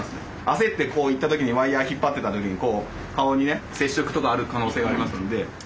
焦ってこう行った時にワイヤー引っ張ってた時に顔にね接触とかある可能性がありますんで。